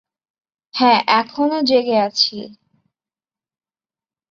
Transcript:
হ্যাঁ, এখনো জেগে আছি।